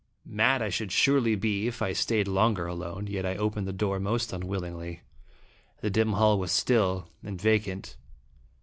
Mad I should surely be if I stayed longer alone ; yet I opened the door most unwillingly. The dim hall was still and vacant.